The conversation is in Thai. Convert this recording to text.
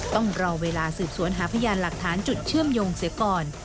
ต้องรอเวลาสืบสวนหาพยานหลักฐานจุดเชื่อมโยงเสียก่อน